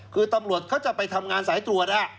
คือตำรวจเขาจะไปทำงานสายตรวจ